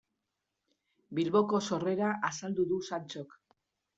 Bilboko sorrera azaldu du Santxok.